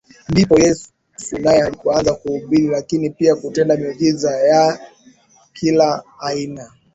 Ndipo Yesu naye alipoanza kuhubiri lakini pia kutenda miujiza ya kila aina